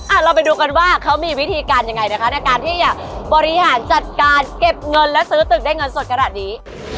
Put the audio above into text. เราไปดูกันว่าเขามีวิธีการยังไงนะคะในการที่จะบริหารจัดการเก็บเงินและซื้อตึกได้เงินสดขนาดนี้